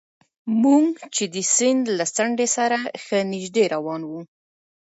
موږ چې د سیند له څنډې سره ښه نژدې روان وو.